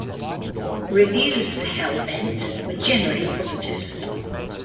Reviews for "Hellbent" were generally positive.